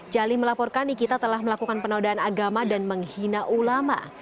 jali melaporkan nikita telah melakukan penodaan agama dan menghina ulama